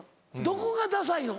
どこがダサいの？